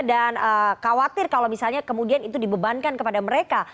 dan khawatir kalau misalnya kemudian itu dibebankan kepada mereka